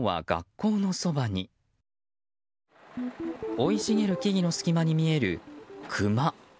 生い茂る木々の隙間に見えるクマ。